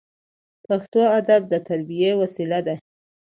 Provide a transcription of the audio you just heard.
پښتو ادب د تربیې وسیله ده.